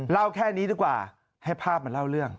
แค่นี้ดีกว่าให้ภาพมาเล่าเรื่อง